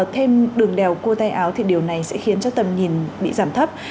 thêm đường đèo cua tay áo thì điều này sẽ khiến cho tầm nhìn bị giảm thấp